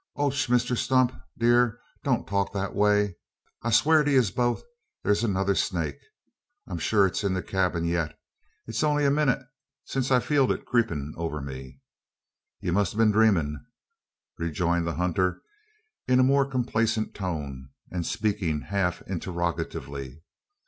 "Och! Misther Stump dear, don't talk that way. I sware to yez both there's another snake. I'm shure it's in the kyabin yit. It's only a minute since I feeled it creepin' over me." "You must ha' been dreemin?" rejoined the hunter, in a more complacent tone, and speaking half interrogatively.